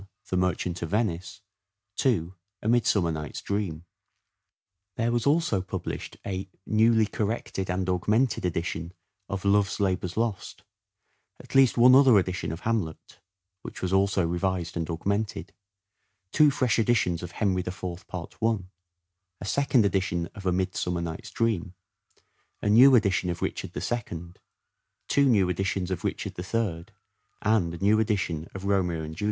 The Merchant of Venice. 2. A Midsummer Night's Dream. There was also published a " newly corrected and augmented" edition of "Love's Labour's Lost"; at least one other edition of " Hamlet "; (which was also revised and augmented) ; two fresh editions of " Henry IV," part i ; a second edition of " A Midsummer Night's Dream "; a new edition of " Richard II," two new editions of " Richard III " and a new edition of " Romeo and Juliet."